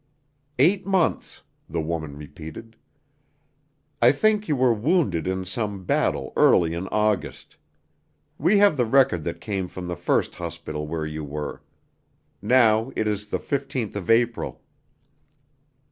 "Eight months," the woman repeated. "I think you were wounded in some battle early in August. We have the record that came from the first hospital where you were. Now it is the 15th of April."